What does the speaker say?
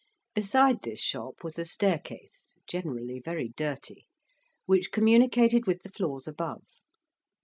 Beside this shop was a staircase, generally very dirty, which communicated with the floors above.